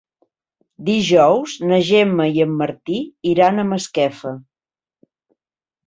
Dijous na Gemma i en Martí iran a Masquefa.